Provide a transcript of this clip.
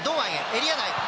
エリア内。